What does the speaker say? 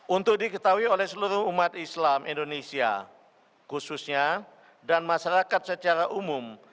untuk diketahui oleh seluruh umat islam indonesia khususnya dan masyarakat secara umum